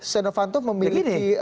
setiara fanto memiliki